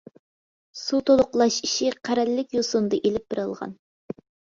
سۇ تولۇقلاش ئىشى قەرەللىك يوسۇندا ئېلىپ بېرىلغان.